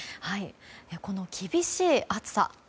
この厳しい暑さ。